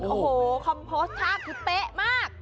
โอ้โหคอมโพสต์ท่าคุ้ดเต๊ะมาก